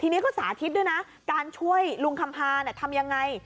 ทีนี้ก็สาธิตด้วยนะการช่วยลุงคำพาทำยังไง